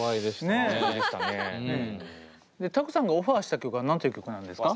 ＴＡＫＵさんがオファーした曲は何ていう曲なんですか？